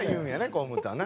河本はな。